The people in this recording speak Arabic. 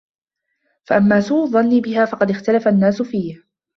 فَأَمَّا سُوءُ الظَّنِّ بِهَا فَقَدْ اخْتَلَفَ النَّاسُ فِيهِ